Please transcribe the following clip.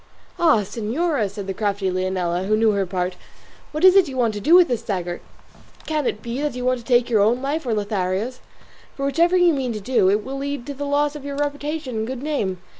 "Ah, señora," said the crafty Leonela, who knew her part, "what is it you want to do with this dagger? Can it be that you mean to take your own life, or Lothario's? for whichever you mean to do, it will lead to the loss of your reputation and good name.